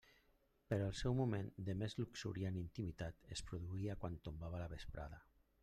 Però el seu moment de més luxuriant intimitat es produïa quan tombava la vesprada.